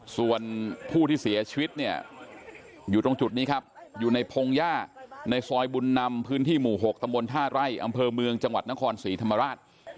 ส่วนผู้ที่เสียชีวิตเนี่ยอยู่ตรงจุดนี้ครับอยู่ในพงหญ้าในซอยบุญนำพื้นที่หมู่๖ตำบลท่าไร่อำเภอเมืองจังหวัดนครศรีธรรมราช